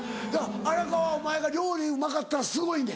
荒川お前が料理うまかったらすごいねん。